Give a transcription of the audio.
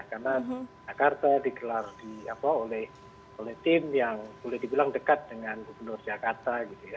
karena jakarta dikelar oleh tim yang boleh dibilang dekat dengan gubernur jakarta